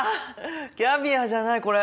キャビアじゃないこれ。